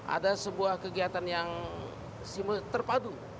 ada sebuah kegiatan yang terpadu